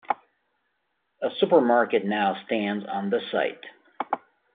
A supermarket now stands on the site.